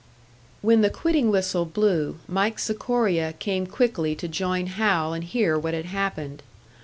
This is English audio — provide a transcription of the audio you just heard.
When the quitting whistle blew, Mike Sikoria came quickly to join Hal and hear what had happened.